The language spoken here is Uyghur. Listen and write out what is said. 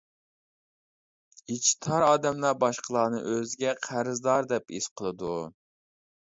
ئىچى تار ئادەملەر باشقىلارنى ئۆزىگە قەرزدار دەپ ھېس قىلىدۇ.